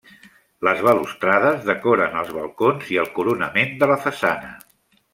Les balustrades decoren els balcons i el coronament de la façana.